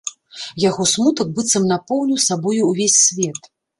Яго смутак быццам напоўніў сабою ўвесь свет.